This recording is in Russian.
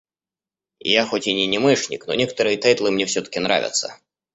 Я хоть и не анимешник, но некоторые тайтлы мне всё-таки нравятся.